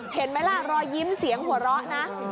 เห็นไหมล่ะรอยยิ้มเสียงหัวเราะนะ